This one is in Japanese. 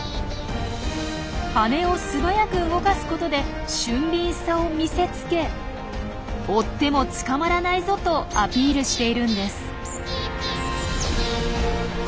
羽を素早く動かすことで俊敏さを見せつけ「追っても捕まらないぞ」とアピールしているんです。